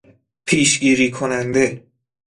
پیشگیری کننده